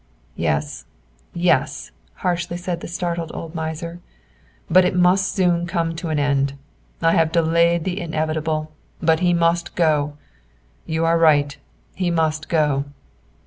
"Yes, yes!" harshly said the startled old miser. "But it must soon come to an end. I have delayed the inevitable. But he must go. You are right; he must go."